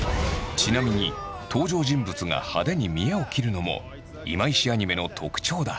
ちなみに登場人物が派手に見得を切るのも今石アニメの特徴だ。